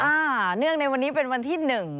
อ่าเนื่องในวันนี้เป็นวันที่๑